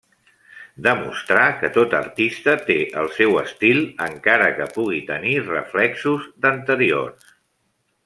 Demostrar que tot artista té el seu estil, encara que pugui tenir reflexos d'anteriors.